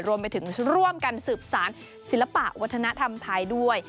รวมไปถึงร่วมกันสืบสารศิลปะวัฒนธรรมไทยด้วย